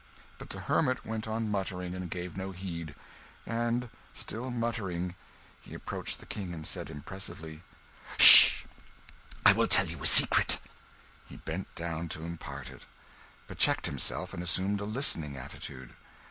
But the hermit went on muttering, and gave no heed. And still muttering, he approached the King and said impressively "'Sh! I will tell you a secret!" He bent down to impart it, but checked himself, and assumed a listening attitude.